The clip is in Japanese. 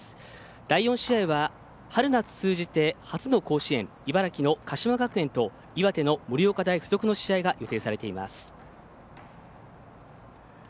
第４試合は春夏通じて初の甲子園茨城の鹿島学園と岩手の盛岡大付属の試合が予定されています。